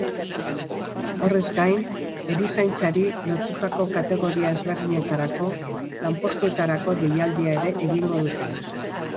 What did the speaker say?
Horrez gain, erizaintzari lotutako kategoria ezberdinetarako lanpostuetarako deialdia ere egingo dute.